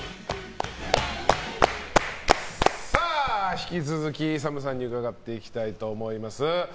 引き続きＳＡＭさんに伺っていきたいと思います。